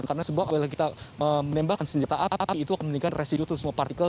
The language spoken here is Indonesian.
karena sebuah api kita menembakkan senjata api itu akan meningkatkan residu semua partikel